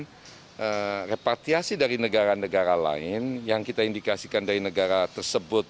jadi repartiasi dari negara negara lain yang kita indikasikan dari negara tersebut